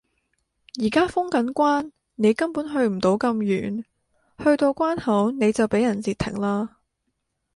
而家封緊關你根本去唔到咁遠，去到關口你就畀人截停啦